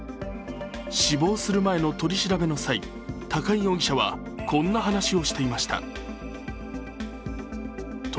死亡する前の取り調べの際、高井容疑者はこんな話をしていました。